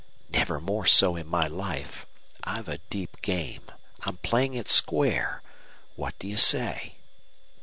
"Never more so in my life. I've a deep game. I'm playing it square. What do you say?"